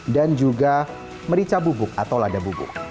dan juga merica bubuk atau lada bubuk